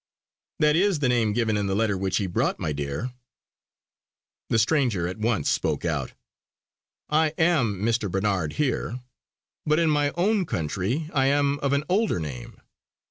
"That is the name given in the letter which he brought, my dear!" The stranger at once spoke out: "I am Mr. Barnard here; but in my own country I am of an older name.